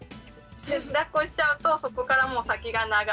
だっこしちゃうとそこからもう先が長い。